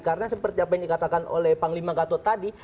karena seperti apa yang dikatakan oleh panglima gatot tadi